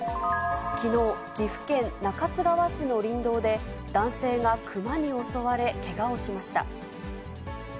きのう、岐阜県中津川市の林道で、男性がクマに襲われ、けがをしました。